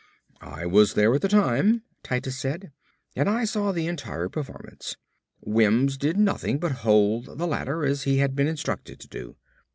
"I was there at the time," Titus said, "and I saw the entire performance. Wims did nothing but hold the ladder as he had been instructed to do.